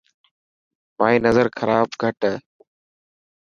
مائي نظر خراب گھٽ هي.